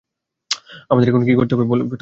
আমাদের এখন কী করতে হবে তাহলে?